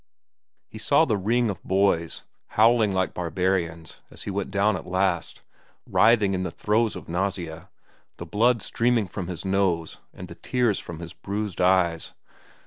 He saw the ring of boys, howling like barbarians as he went down at last, writhing in the throes of nausea, the blood streaming from his nose and the tears from his bruised eyes.